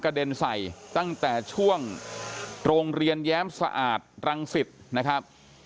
เด็นใส่ตั้งแต่ช่วงโรงเรียนแย้มสะอาดรังสิตนะครับ